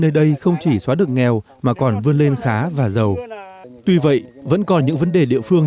nơi đây không chỉ xóa được nghèo mà còn vươn lên khá và giàu tuy vậy vẫn còn những vấn đề địa phương